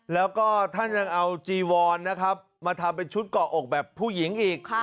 แล้วก็ท่านยังเอาจีวอนนะครับมาทำเป็นชุดเกาะอกแบบผู้หญิงอีก